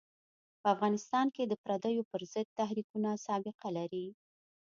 په افغانستان کې د پرديو پر ضد تحریکونه سابقه لري.